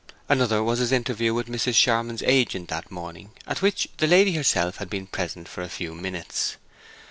Another was his interview with Mrs. Charmond's agent that morning, at which the lady herself had been present for a few minutes.